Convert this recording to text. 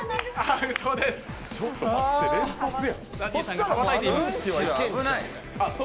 ちょっと待って連発やん。